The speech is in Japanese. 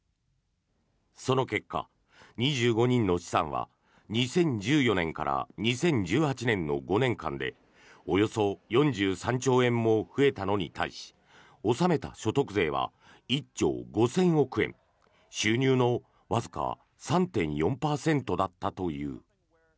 その結果、２５人の資産は２０１４年から２０１８年の５年間でおよそ４３兆円も増えたのに対し納めた所得税は１兆５０００億円収入のわずか３．４％だったという。